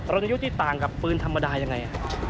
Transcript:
รณยุทธ์ที่ต่างกับปืนธรรมดายังไง